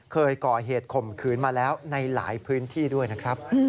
เคยก่อเหตุข่มขืนมาแล้วในหลายพื้นที่ด้วยนะครับ